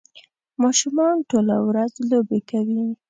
ماشومان ټوله ورځ لوبې کوي